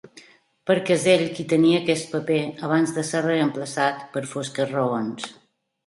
Perquè és ell qui tenia aquest paper abans de ser reemplaçat per fosques raons.